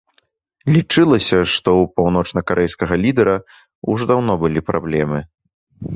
Лічылася, што ў паўночнакарэйскага лідара ўжо даўно былі праблемы.